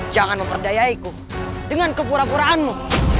jangan memperdayaiku dengan kepura puraanmu